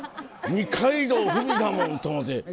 二階堂ふみだもんと思って。